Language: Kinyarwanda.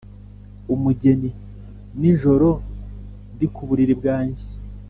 . Umugeni:Nijoro ndi ku buriri bwanjye